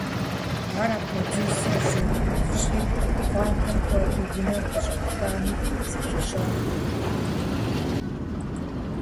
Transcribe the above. Ар апхуэдизкӏэ жей ӏувщи, пхъуантэм хуэдэу унэм къыщӏэпхами, зыхищӏэнукъым.